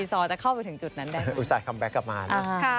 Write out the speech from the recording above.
ที่จะเข้าถึงที่สิคุณคิสาทเกอร์มาไม่อัพสุด